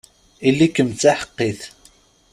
Ili-kem d taḥeqqit!